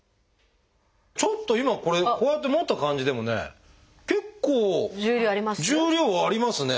ちょっと今これこうやって持った感じでもね結構重量ありますね。